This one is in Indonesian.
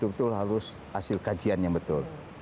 betul betul harus hasil kajian yang betul